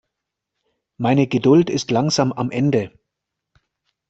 Meine Geduld ist langsam am Ende.